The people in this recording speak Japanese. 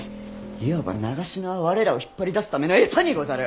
いわば長篠は我らを引っ張り出すための餌にござる！